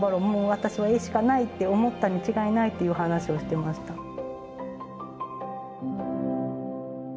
もう私は絵しかないって思ったに違いないっていう話をしてました。